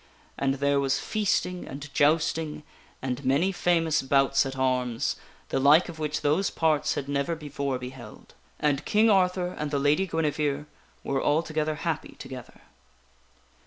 And there was feasting and jousting and many famous bouts at arms, the like of which those parts had never before beheld. Ancl King Arthur and the Lady Guinevere were altogether happy together.